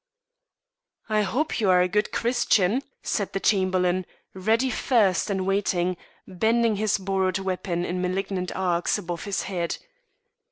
"I hope you are a good Christian," said the Chamberlain, ready first and waiting, bending his borrowed weapon in malignant arcs above his head.